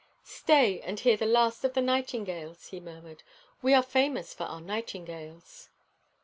'Stay and hear the last of the nightingales,' he murmured; 'we are famous for our nightingales.'